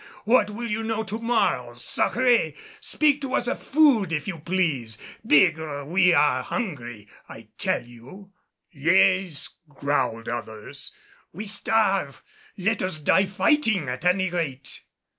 What will you know to morrow? Sacré! Speak to us of food, if you please. Bigre! We're hungry I tell you." "Yes," growled others, "we starve. Let us die fighting at any rate."